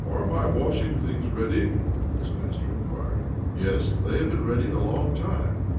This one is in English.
"Are my washing things ready?" his master inquired. "Yes, they have been ready a long time.